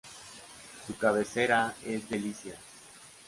Su cabecera es Delicias.